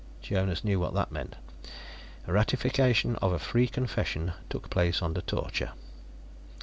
Jonas knew what that meant: ratification of a free confession took place under torture.